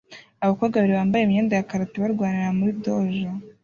Abakobwa babiri bambaye imyenda ya karate barwanira muri dojo